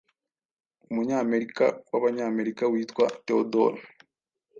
Umunyamerika wAbanyamerika witwa Theodore